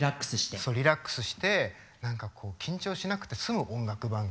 そうリラックスして緊張しなくて済む音楽番組。